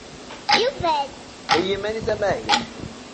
Yufa-d i yiman-is amahil.